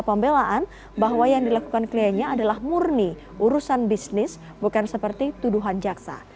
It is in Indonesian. pembelaan bahwa yang dilakukan kliennya adalah murni urusan bisnis bukan seperti tuduhan jaksa